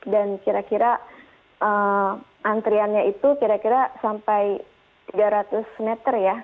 dan kira kira antriannya itu sampai tiga ratus meter